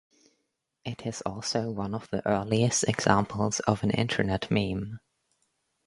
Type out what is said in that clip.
It is also one of the earliest examples of an Internet meme.